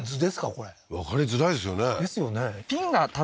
これわかりづらいですよねですよね